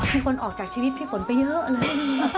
มีคนออกจากชีวิตพี่ฝนไปเยอะเลย